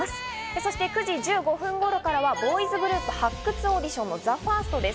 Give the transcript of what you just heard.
そして９時１５分頃からはボーイズグループ発掘オーディションのＴＨＥＦＩＲＳＴです。